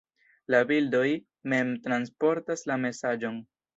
La bildoj mem transportas la mesaĝon.